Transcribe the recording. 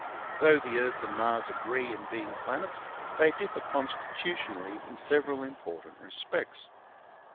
Though the Earth and Mars agree in being planets, they differ constitutionally in several important re spects.